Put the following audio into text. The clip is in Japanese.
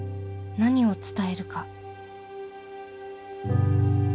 何を伝えるか？